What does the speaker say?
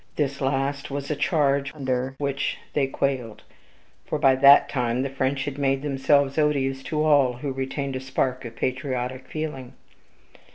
This last was a charge under which they quailed; for by that time the French had made themselves odious to all who retained a spark of patriotic feeling.